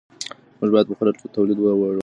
موږ باید په خپل تولید ویاړو.